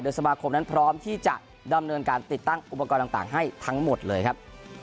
สมาคมนั้นพร้อมที่จะดำเนินการติดตั้งอุปกรณ์ต่างให้ทั้งหมดเลยครับ